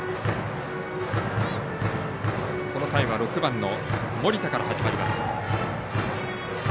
この回は６番の森田から始まります。